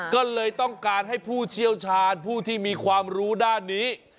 ก็เลยต้องการให้ผู้เชี่ยวชาญผู้ที่มีความรู้ด้านนี้